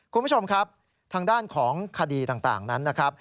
คุณผู้ชมครับทางด้านของคดีต่างนั้นนะครับ